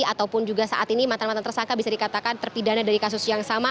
ataupun juga saat ini mantan mantan tersangka bisa dikatakan terpidana dari kasus yang sama